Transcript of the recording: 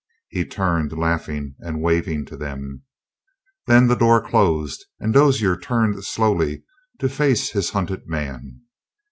He turned, laughing and waving to them. Then the door closed, and Dozier turned slowly to face his hunted man.